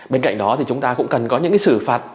bên cạnh đó thì chúng ta cũng cần có những sự phạt